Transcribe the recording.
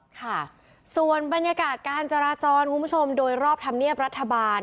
ค่ะส่วนบรรยากาศการจราจรคุณผู้ชมโดยรอบธรรมเนียบรัฐบาล